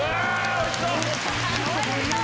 おいしそう！